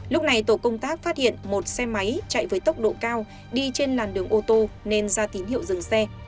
lúc này tổ công tác phát hiện một xe máy chạy với tốc độ cao đi trên làn đường ô tô nên ra tín hiệu dừng xe